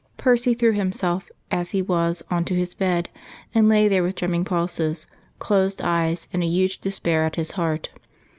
Percy threw himself, as he was, on to his bed, and lay there with drumming pulses, closed eyes and a huge despair at his heart.